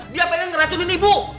dia pengen ngeracunin ibu